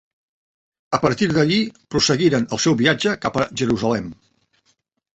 A partir d'allí prosseguiren el seu viatge cap a Jerusalem.